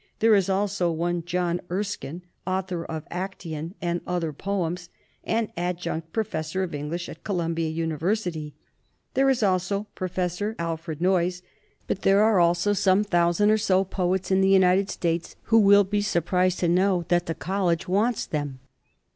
There is also one John Erskine, author of Act&on and Other Poems, and Adjunct Professor of English at Columbia University. There is also Prof. 202 LITERATURE IN COLLEGES Alfred Noyes. But there are also some thousand or so poets in the United States who will be sur prised to know that the college wants them.